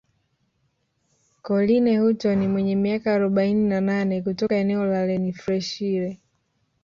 Corinne Hutton mwenye miaka arobaini na nane kutoka eneo la Renfrewshire